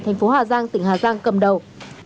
thành phố hà giang tỉnh hà giang cầm đầu